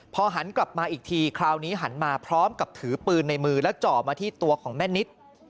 พอหันกลับมาอีกทีคราวนี้หันมาพร้อมกับถือปืนในมือแล้วเจาะมาที่ตัวของแม่นิด